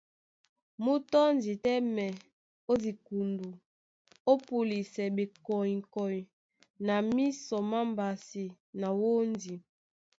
Mú tɔ́ndi tɛ́mɛ ó dikundu, ó púlisɛ ɓekɔ́ŋkɔ́ŋ na mísɔ má mbasi na wóndi.